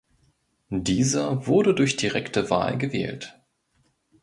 Dieser wurde durch direkte Wahl gewählt.